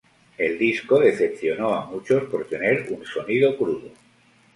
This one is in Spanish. El disco decepcionó a muchos por tener un sonido crudo.